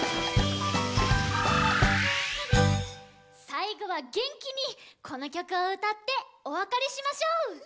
さいごはげんきにこのきょくをうたっておわかれしましょう！